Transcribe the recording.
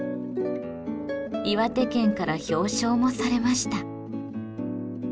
岩手県から表彰もされました。